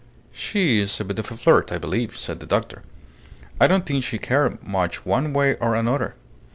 "She's a bit of a flirt, I believe," said the doctor. "I don't think she cared much one way or another.